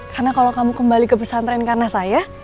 karena kalau kamu kembali ke pesantren karena saya